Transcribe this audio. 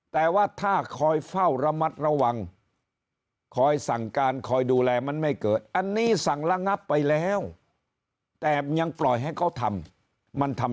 แต่ว่าถ้าคอยเฝ้าระมัดระวังคอยสั่งการคอยดูแลมันไม่เกิดอันนี้สั่งระงับไปแล้วแต่ยังปล่อยให้เขาทำมันทำ